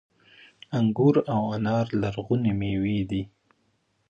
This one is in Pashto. انګور او انار لرغونې میوې دي